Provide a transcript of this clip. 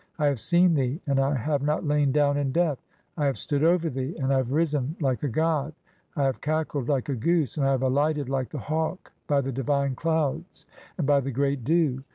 I "have seen thee, (3) and I have not lain down in death ; I have "stood over thee, and I have risen like a god. I have cackled "like a goose, and I have alighted like the hawk (4) by the "divine clouds and by the great dew.